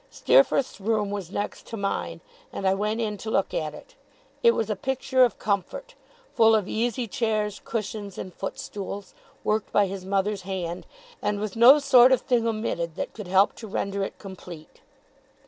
Steerforth's room was next to mine, and I went in to look at it. It was a picture of comfort, full of easy chairs, cushions and footstools, worked by his mother's hand, and with no sort of thing omitted that could help to render it complete.